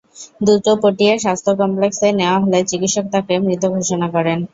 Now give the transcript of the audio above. দ্রুত পটিয়া স্বাস্থ্য কমপ্লেক্সে নেওয়া হলে চিকিৎসক তাঁকে মৃত ঘোষণা করেন।